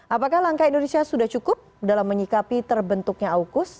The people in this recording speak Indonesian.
apakah langkah indonesia sudah cukup dalam menyikapi terbentuknya aukus